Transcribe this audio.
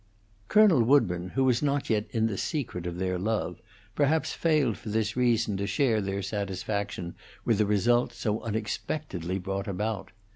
Colonel Woodburn, who was not yet in the secret of their love, perhaps failed for this reason to share their satisfaction with a result so unexpectedly brought about.